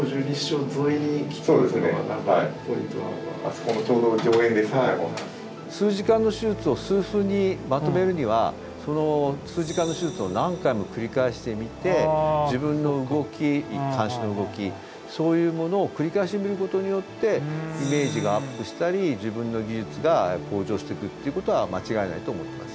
そして数時間の手術を数分にまとめるには自分の動き鉗子の動きそういうものを繰り返し見ることによってイメージがアップしたり自分の技術が向上していくっていうことは間違いないと思ってます。